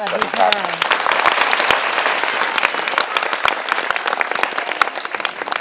สวัสดีครับ